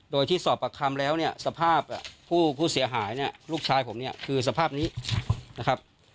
โดยที่สอบอักคำแล้วสภาพผู้เสียหายลูกชายผมคือสภาพนี้นะครับ